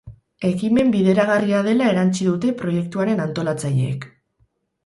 Ekimen bideragarria dela erantsi dute proiektuaren antolatzaileek.